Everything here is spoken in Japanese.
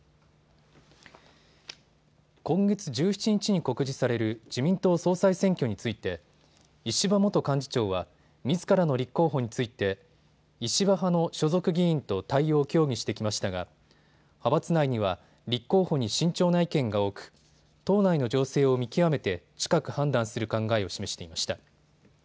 今月１７日に告示される自民党総裁選挙について石破元幹事長はみずからの立候補について石破派の所属議員と対応を協議してきましたが派閥内には立候補に慎重な意見が多く、党内の情勢を見極めて近く判断する考えを示していました。